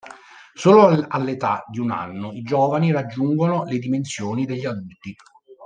Solo all'età di un anno i giovani raggiungono le dimensioni degli adulti.